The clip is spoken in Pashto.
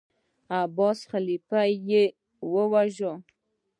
عباسي خلیفه یې وواژه.